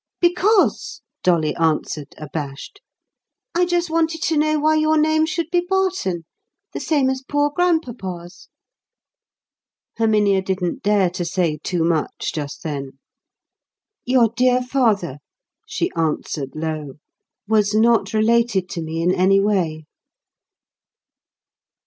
"Because," Dolly answered abashed, "I just wanted to know why your name should be Barton, the same as poor grandpapa's." Herminia didn't dare to say too much just then. "Your dear father," she answered low, "was not related to me in any way."